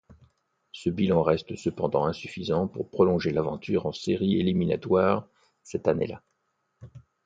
Ce bilan reste cependant insuffisant pour prolonger l’aventure en séries éliminatoires cette année-là.